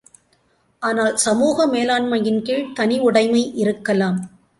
ஆனால் சமூக மேலாண்மையின் கீழ் தனி உடைமை இருக்கலாம்.